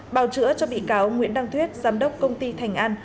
bào chữa cho bị cáo nguyễn đăng thuyết giám đốc công ty thành an